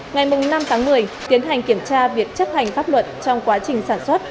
ngày năm tháng một mươi tiến hành kiểm tra việc chấp hành pháp luật trong quá trình sản xuất